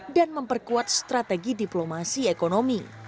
dan memperkuat strategi diplomasi ekonomi